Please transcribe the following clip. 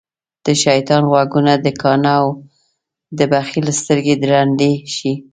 دشيطان غوږونه دکاڼه او دبخیل سترګی د ړندی شی